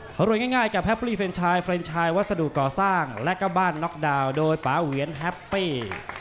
รวยง่ายกับแฮปปี้เรนชายเรนชายวัสดุก่อสร้างและก็บ้านน็อกดาวน์โดยป๊าเหวียนแฮปปี้